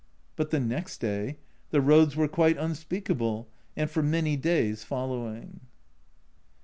But the next day ! The roads were quite unspeakable, and for many days following.